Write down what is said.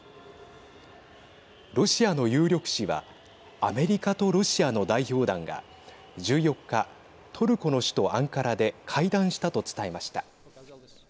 ロシアの有力紙はアメリカとロシアの代表団が１４日トルコの首都アンカラで会談したと伝えました。